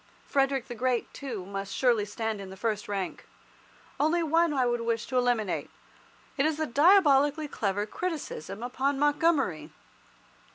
Frederick the Great, too, must surely stand in the first rank. Only one would I wish to eliminate. It is the diabolically clever criticism upon Montgomery.